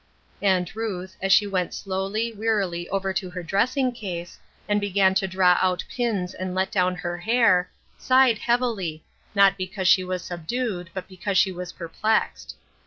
And Ruth, as she went slowly, wearily over to her dressing case, and began to draw out pins and let clown her hair, sighed heavily, not because she was subdued, but because she was perplexed.